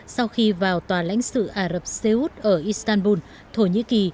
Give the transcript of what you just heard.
sau khi vào tòa lãnh sự ả rập xê út ở istanbul thổ nhĩ kỳ